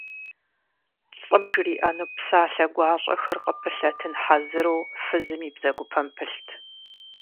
Лӏым жриӀэну псалъэ гуащӀэхэр къыпылъэтын хьэзыру фызым и бзэгупэм пылът.